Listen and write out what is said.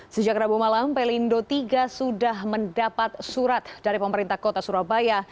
sejak rabu malam pelindo tiga sudah mendapat surat dari pemerintah kota surabaya